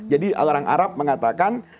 jadi orang arab mengatakan